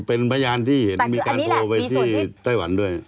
เป็นพยานที่เห็นมีการโทรไปที่ไต้หวันด้วย